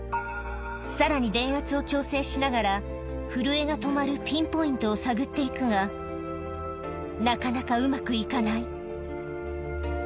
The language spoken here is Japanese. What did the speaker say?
さらに電圧を調整しながら、震えが止まるピンポイントを探っていくが、なかなかうまくいかない。